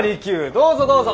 どうぞどうぞ。